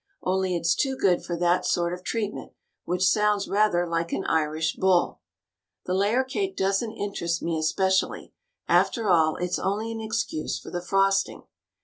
Only it's too good for that sort of treatment — ^which sounds rather like an Irish bull ! The layer cake doesn't interest me especially. After all, it's only an excuse for the frosting.